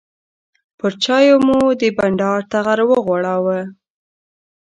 پر چایو مو د بانډار ټغر وغوړاوه.